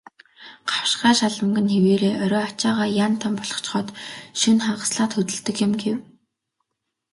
"Гавшгай шалмаг нь хэвээрээ, орой ачаагаа ян тан болгочхоод шөнө хагаслаад хөдөлдөг юм" гэв.